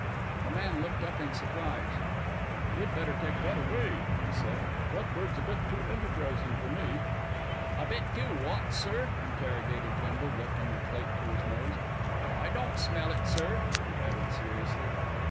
The man looked up in surprise. "You'd better take that away," he said. "That bird's a bit too enterprising for me." "A bit too wot, sir?" interrogated Bindle, lifting the plate to his nose. "I don't smell it, sir," he added seriously.